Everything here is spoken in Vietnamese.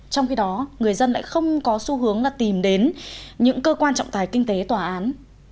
trong khi đó người dân lại không có xu hướng là tìm đến những cơ quan trọng tài kinh tế tòa án